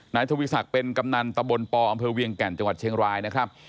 ทวีศักดิ์เป็นกำนันตะบนปอำเภอเวียงแก่นจังหวัดเชียงรายนะครับ